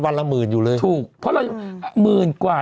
ละหมื่นอยู่เลยถูกเพราะเราอยู่หมื่นกว่า